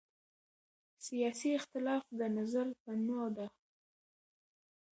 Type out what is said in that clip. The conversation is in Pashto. سیاسي اختلاف د نظر تنوع ده